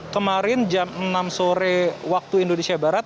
kemarin jam enam sore waktu indonesia barat